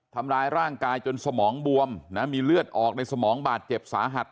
ทำร้ายร่างกายจนสมองบวมนะมีเลือดออกในสมองบาดเจ็บสาหัส